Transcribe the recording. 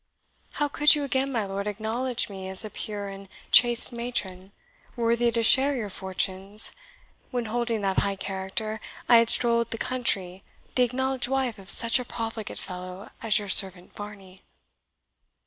How could you again, my lord, acknowledge me as a pure and chaste matron, worthy to share your fortunes, when, holding that high character, I had strolled the country the acknowledged wife of such a profligate fellow as your servant Varney?"